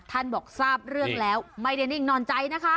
บอกทราบเรื่องแล้วไม่ได้นิ่งนอนใจนะคะ